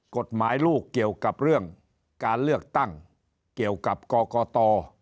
กฎหมายลูกเกี่ยวกับเรื่องการเลือกตั้งเกี่ยวกับกกต